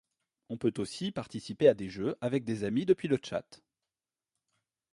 On peut aussi participer à des jeux avec des amis depuis le chat.